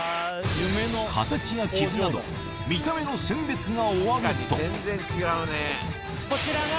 形や傷など見た目の選別が終わるとこちらが。